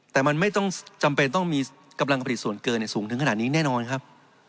แต่มันไม่ต้องจำเป็นต้องมีกำลังผลิตส่วนเกินสูงถึงขนาดนี้แน่นอนครับ